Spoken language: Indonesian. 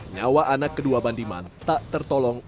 nyawa anak kedua bandiman tak tertolong